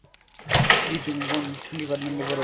জি তুমি কোন ডিপার্টমেন্টে পড়ো?